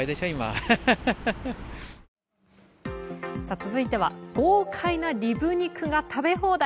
続いては豪快なリブ肉が食べ放題。